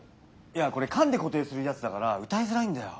いやこれ噛んで固定するやつだからうたいづらいんだよ。